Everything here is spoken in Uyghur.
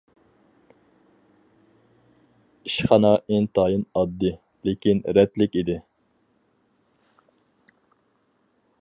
ئىشخانا ئىنتايىن ئاددىي، لېكىن رەتلىك ئىدى.